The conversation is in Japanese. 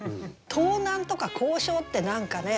「盗難」とか「咬傷」って何かね